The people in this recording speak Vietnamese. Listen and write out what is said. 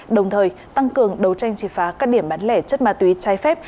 đồng thời tăng cường đấu tranh triệt phá các điểm bán lẻ chất ma túy trái phép